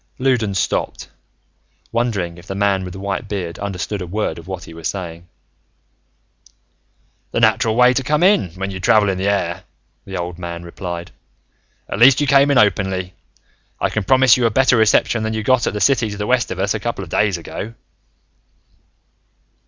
Loudons stopped, wondering if the man with the white beard understood a word of what he was saying. "The natural way to come in, when you travel in the air," the old man replied. "At least, you came in openly. I can promise you a better reception than that you got at the city to the west of us a couple of days ago."